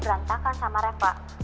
berantakan sama reva